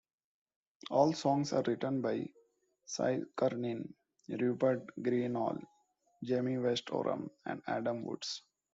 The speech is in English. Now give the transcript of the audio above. All songs are written by Cy Curnin, Rupert Greenall, Jamie West-Oram, and Adam Woods.